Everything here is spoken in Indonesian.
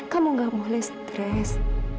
kamu gak boleh stres